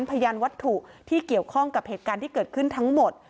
พยานวัตถุที่เกี่ยวข้องกับเหตุการณ์ที่เกิดขึ้นทั้งหมด